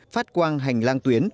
phát quang hành lang tuyến